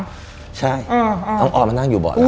ปุ๊บใช่เอาออลมานั่งอยู่บอลหลัง